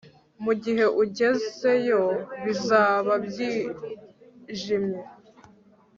mugihe ugezeyo, bizaba byijimye